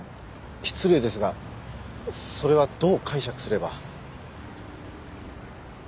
失礼ですがそれはどう解釈すれば？